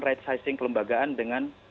right sizing kelembagaan dengan